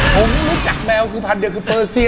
ผมรู้จักแมวพันธุ์เดียวคือเปอร์เซีย